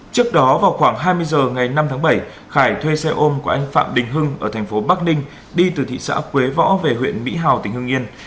trước đó vào khoảng hai mươi h ngày năm tháng bảy khải thuê xe ôm của anh phạm đình hưng ở thành phố bắc ninh đi từ thị xã quế võ về huyện mỹ hào tỉnh hưng yên